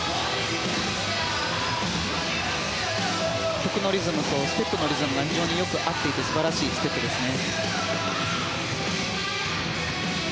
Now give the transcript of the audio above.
曲のリズムとステップのリズムが非常によく合っていて素晴らしいステップですね。